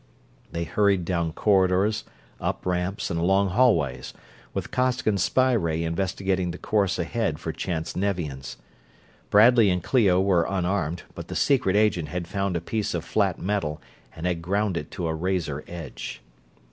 They hurried down corridors, up ramps, and along hallways, with Costigan's spy ray investigating the course ahead for chance Nevians. Bradley and Clio were unarmed, but the secret agent had found a piece of flat metal and had ground it to a razor edge.